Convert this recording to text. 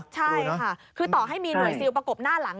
ใช่ค่ะคือต่อให้มีหน่วยซิลประกบหน้าหลัง